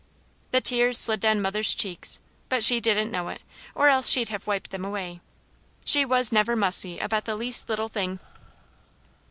The tears slid down mother's cheeks, but she didn't know it, or else she'd have wiped them away. She was never mussy about the least little thing.